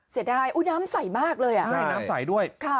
เสียดายอุ้ยน้ำใสมากเลยอ่ะได้น้ำใสด้วย